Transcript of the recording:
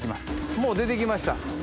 もう出て来ました